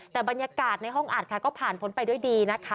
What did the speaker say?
แต่บรรยากาศในห้องอัดค่ะก็ผ่านพ้นไปด้วยดีนะคะ